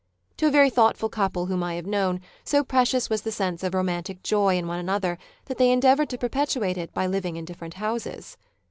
To a very thoughtful couple whom I have known, so precious was the sense of romantic joy in one another that they endeavoured to perpetuate it by living in different houses.